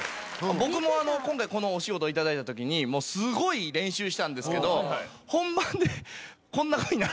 僕も今回このお仕事頂いたときすごい練習したんですけど本番でこんなふうになるとは思ってなかったんで。